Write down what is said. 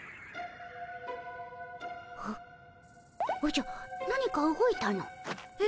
おじゃ何か動いたの。え？